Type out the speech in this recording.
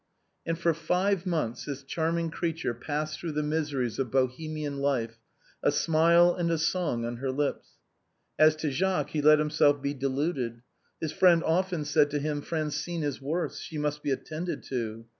And for five months this charming creature passed through the miseries of Bohemian life, a smile and a song on her lips. As to Jacques, he let himself be deluded. His friend often said to him :" Francine is worse, she must be attended to."